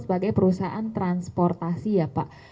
sebagai perusahaan transportasi ya pak